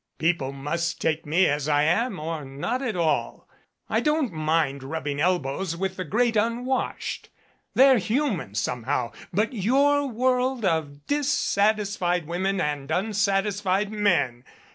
People must take me as I am or not at all. I don't mind rubbing elbows with the great unwashed. They're human somehow. But your world of dis satisfied women and unsatisfied men!